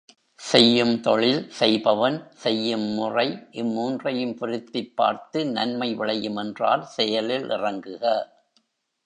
செய்யும் தொழில், செய்பவன், செய்யும் முறை இம் மூன்றையும் பொருத்திப் பார்த்து நன்மை விளையும் என்றால் செயலில் இறங்குக.